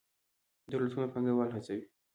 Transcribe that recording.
دولتونه پانګوال هڅوي.